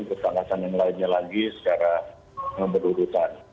terus angkatan yang lainnya lagi secara berurutan